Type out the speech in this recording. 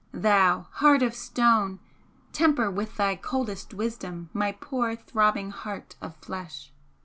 Thou, Heart of Stone, temper with thy coldest wisdom my poor throbbing heart of flesh!